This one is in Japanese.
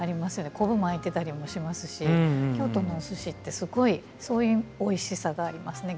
昆布巻いてたりもしますし京都のお寿司ってすごいそういうおいしさがありますねギュッとしてる。